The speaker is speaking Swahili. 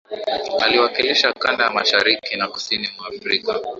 Aliwakilisha Kanda ya Mashariki na Kusini mwa Afrika